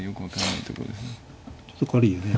ちょっと軽いよね。